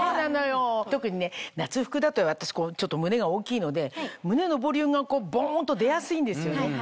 特にね夏服だと私ちょっと胸が大きいので胸のボリュームがボンと出やすいんですよね。